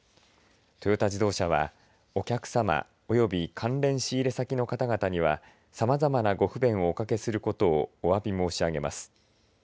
トヨタ自動車はお客様及び関連仕入先の方々にはさまざまなご不便をおかけすることをおわび申し上げます。